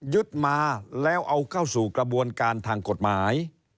ยึดมาแล้วเอาเข้าสู่กระบวนการทางกฎหมาย